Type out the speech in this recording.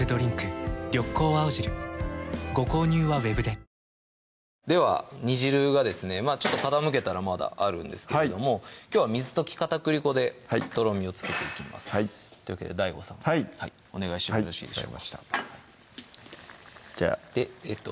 色んな味あるしそうほんと満たしてもらいましたうんでは煮汁がですね傾けたらまだあるんですけれどもきょうは水溶き片栗粉でとろみをつけていきますというわけでＤＡＩＧＯさんお願いしてもよろしいでしょうかじゃあえっと